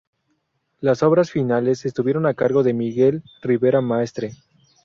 Las obras finales estuvieron a cargo de Miguel Rivera Maestre.